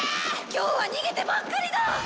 今日は逃げてばっかりだ。